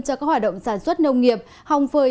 cho các hoạt động sản xuất nông nghiệp hồng phơi